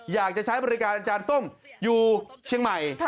อยากจะใช้บริการอาจารย์ส้มอยู่เชียงใหม่